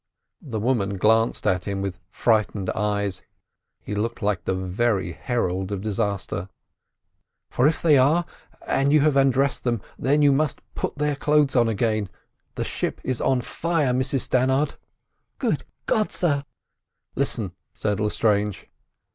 The woman glanced at him with frightened eyes. He looked like the very herald of disaster. "For if they are, and you have undressed them, then you must put their clothes on again. The ship is on fire, Mrs Stannard." "Good God, sir!" "Listen!" said Lestrange.